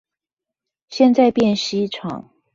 現在變西廠